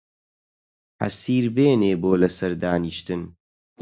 حەسیر بێنێ بۆ لە سەر دانیشتن